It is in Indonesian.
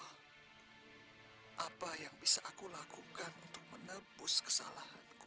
hai apa yang bisa aku lakukan untuk menebus kesalahanku